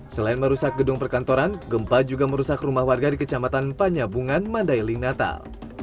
selain merusak gedung perkantoran gempa juga merusak rumah warga di kecamatan panyabungan mandailing natal